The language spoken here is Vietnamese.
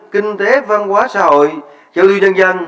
kinh tế văn hóa xã hội châu lưu dân dân